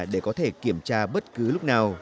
để có thể kiểm tra bất cứ lúc nào